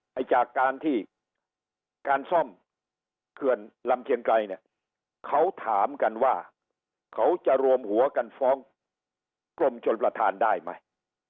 จากการที่การซ่อมเขื่อนลำเชียงไกรเนี่ยเขาถามกันว่าเขาจะรวมหัวกันฟ้องกรมชนประธานได้ไหม